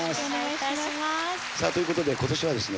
さぁということで今年はですね